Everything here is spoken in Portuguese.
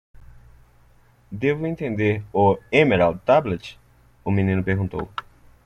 "Devo entender o Emerald Tablet?" o menino perguntou.